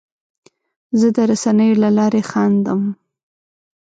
زه د رسنیو له لارې خندم.